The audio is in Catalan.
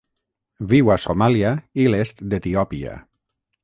Viu a Somàlia i l'est d'Etiòpia.